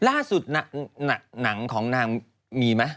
ล่าสุดหนังของนางมีไหม